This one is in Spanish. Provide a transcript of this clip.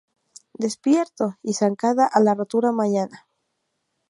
Despierto!Y zancada a la rotura de mañana!